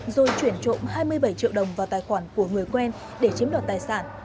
rồi chuyển trộm hai mươi bảy triệu đồng vào tài khoản của người quen để chiếm đoạt tài sản